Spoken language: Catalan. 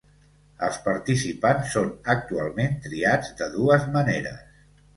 Els participants són actualment triats de dues maneres.